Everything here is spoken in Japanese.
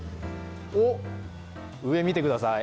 上、見てください。